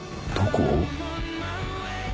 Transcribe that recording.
どこ？